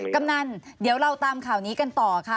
กำนันเดี๋ยวเราตามข่าวนี้กันต่อค่ะ